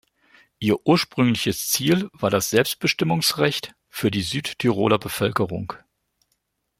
Ihr ursprüngliches Ziel war das Selbstbestimmungsrecht für die Südtiroler Bevölkerung.